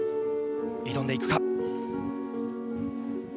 挑んでいくか。